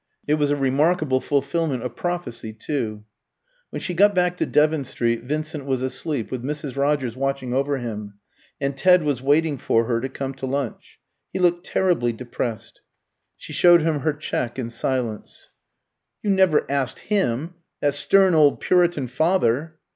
It was a remarkable fulfilment of prophecy, too. When she got back to Devon Street, Vincent was asleep, with Mrs. Rogers watching over him, and Ted was waiting for her to come to lunch. He looked terribly depressed. She showed him her cheque in silence. "You never asked him, that stern old Puritan father?"